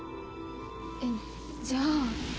えっじゃあ。